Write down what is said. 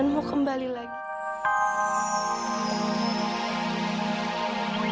harusnya kamu lakukan yang lain